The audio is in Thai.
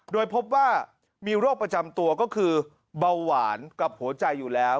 โดยพบว่ามีโรคประจำตัวก็คือเบาหวานกับหัวใจอยู่แล้ว